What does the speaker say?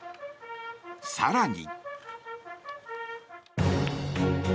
更に。